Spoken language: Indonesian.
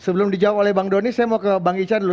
sebelum dijawab oleh bang doni saya mau ke bang ican dulu